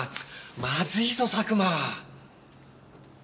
まずいぞ佐久間。